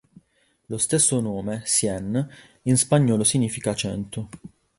Lo stesso nome, "Cien", in spagnolo significa "cento".